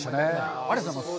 ありがとうございます。